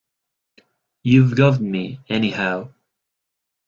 You've got me, anyhow.